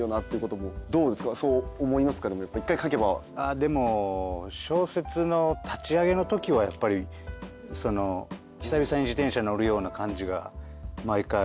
でも小説の立ち上げのときはやっぱり久々に自転車乗るような感じが毎回ありますね。